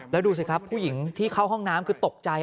แล้วดูสิครับผู้หญิงที่เข้าห้องน้ำคือตกใจ